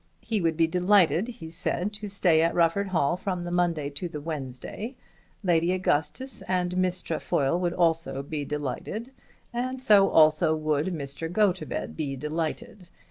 He would be delighted, he said, to stay at Rufford Hall from the Monday to the Wednesday; Lady Augustus and Miss Trefoil would also be delighted; and so also would Mr. Gotobed be delighted.